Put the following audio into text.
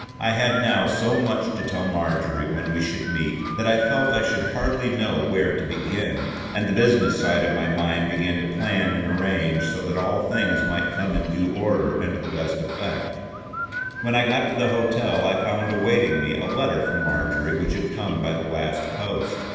I had now so much to tell Marjory when we should meet that I felt I should hardly know where to begin, and the business side of my mind began to plan and arrange so that all things might come in due order and to the best effect. When I got to the hotel I found awaiting me a letter from Marjory which had come by the last post.